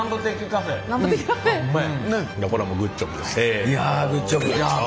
これはもうグッジョブですせの。